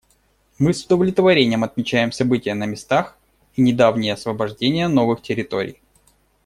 Мы с удовлетворением отмечаем события на местах и недавнее освобождение новых территорий.